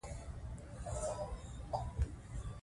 پانګونه د کاري فرصتونو لامل ګرځي.